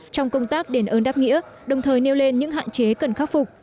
trong công tác đền ơn đáp nghĩa đồng thời nêu lên những hạn chế cần khắc phục